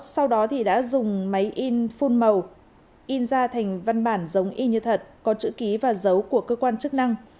sau đó thì đã dùng máy in phun màu in ra thành văn bản giống y như thật có chữ ký và dấu của cơ quan chức năng